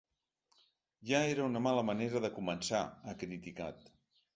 Ja era una mala manera de començar, ha criticat.